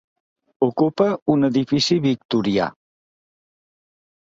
Ocupa un edifici victorià.